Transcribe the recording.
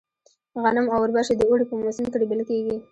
غنم او اوربشې د اوړي په موسم کې رېبل کيږي.